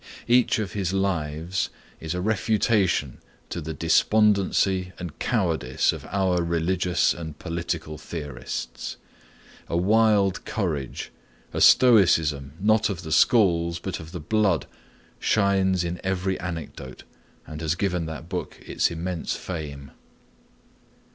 Each of his "Lives" is a refutation to the despondency and cowardice of our religious and political theorists. A wild courage, a Stoicism not of the schools but of the blood, shines in every anecdote, and has given that book its immense fame.